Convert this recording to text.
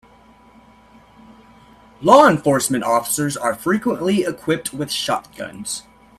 Law enforcement officers are frequently equipped with shotguns.